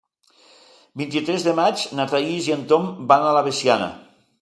El vint-i-tres de maig na Thaís i en Tom van a Veciana.